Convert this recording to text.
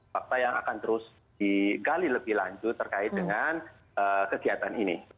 fakta yang akan terus digali lebih lanjut terkait dengan kegiatan ini